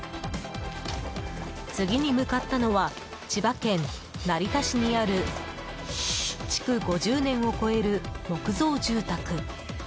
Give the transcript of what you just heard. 次に向かったのは千葉県成田市にある築５０年を超える木造住宅。